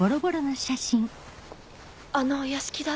あのお屋敷だ！